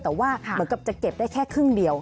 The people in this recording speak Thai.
แต่ว่าเหมือนกับจะเก็บได้แค่ครึ่งเดียว